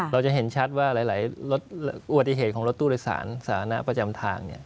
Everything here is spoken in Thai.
เราจะเห็นชัดว่าหลายอุบัติเหตุของรถตู้โดยสารสาธารณะประจำทาง